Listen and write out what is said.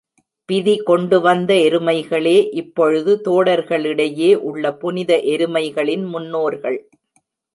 பிதி கொண்டுவந்த எருமைகளே, இப்பொழுது தோடர்களிடையே உள்ள புனித எருமைகளின் முன்னோர்கள்.